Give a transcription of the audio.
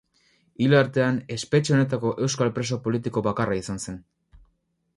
Hil artean espetxe honetako euskal preso politiko bakarra izan zen.